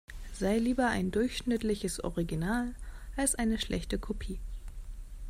Sei lieber ein durchschnittliches Original als eine schlechte Kopie.